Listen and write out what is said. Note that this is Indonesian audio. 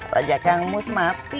raja kang mus mati